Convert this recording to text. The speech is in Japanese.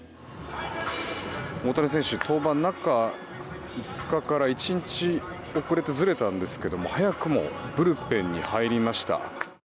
大谷選手、登板中５日から１日ずれたんですが早くもブルペンに入りました。